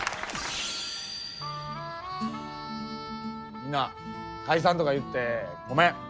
みんな解散とか言ってごめん。